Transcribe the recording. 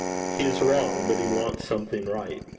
He is wrong, but he wants something right.